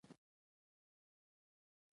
ښځه او خاوند يوه ښکلي او زړه راښکونکي اړيکه لري.